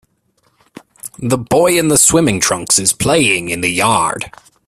The boy in the swimming trunks is playing in the yard